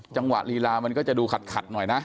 จังหวะลีลามันก็จะดูขัดหน่อยนะ